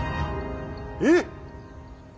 えっ⁉